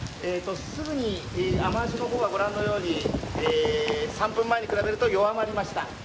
すぐに雨脚のほうは３分前に比べると弱まりました。